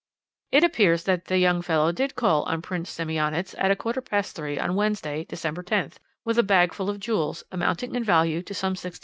"It appears that the young fellow did call on Prince Semionicz at a quarter past three on Wednesday, December 10th, with a bag full of jewels, amounting in value to some £16,000.